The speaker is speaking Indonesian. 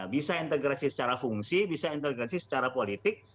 bisa integrasi secara fungsi bisa integrasi secara politik